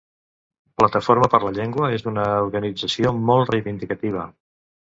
Plataforma per la Llengua és una organització molt reivindicativa.